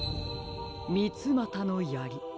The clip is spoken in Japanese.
みつまたのやり。